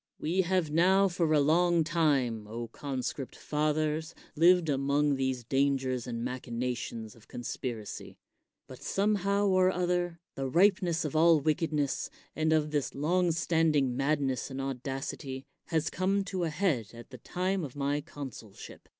We have now for a long time, O conscript fathers, lived among these dangers and machina tions of conspiracy; but somehow or other, the ripeness of all wickedness, and of this long standing madness and audacity, has come to a head at the time of my consulship.